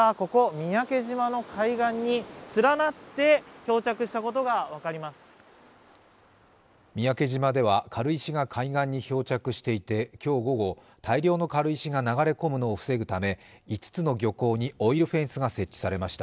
三宅島では軽石が海岸に漂着していて今日午後、大量の軽石が流れ込むのを防ぐため５つの漁港にオイルフェンスが設置されました。